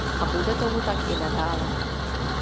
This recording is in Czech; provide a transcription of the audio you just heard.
A bude tomu tak i nadále.